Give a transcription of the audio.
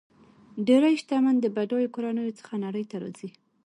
ډېری شتمن د بډایو کورنیو څخه نړۍ ته راځي.